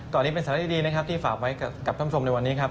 ตอนนี้เป็นสาระดีนะครับที่ฝากไว้กับท่านผู้ชมในวันนี้ครับ